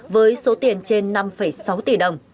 với số tiền trên năm sáu tỷ đồng